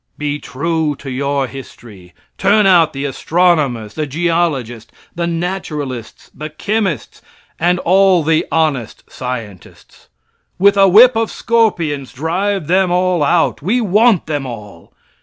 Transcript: Be true to your history. Turn out the astronomers, the geologists, the naturalists, the chemists, and all the honest scientists. With a whip of scorpions, drive them all out. We want them all.